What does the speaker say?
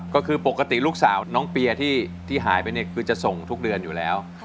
ก็คือปกติลูกสาวน้องเปียที่หายไปเนี่ยคือจะส่งทุกเดือนอยู่แล้ว